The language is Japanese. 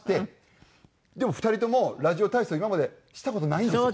でも２人ともラジオ体操を今までした事ないんですよ。